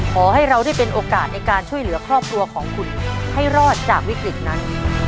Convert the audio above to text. ขอให้เราได้เป็นโอกาสในการช่วยเหลือครอบครัวของคุณให้รอดจากวิกฤตนั้น